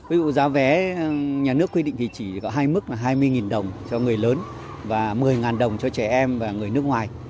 ví dụ giá vé nhà nước quy định thì chỉ có hai mức là hai mươi đồng cho người lớn và một mươi đồng cho trẻ em và người nước ngoài